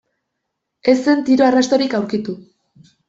Ez zen tiro arrastorik aurkitu.